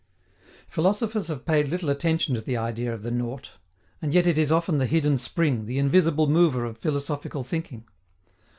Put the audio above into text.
Philosophers have paid little attention to the idea of the nought. And yet it is often the hidden spring, the invisible mover of philosophical thinking.